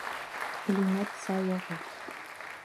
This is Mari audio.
Лӱмет сай огыл.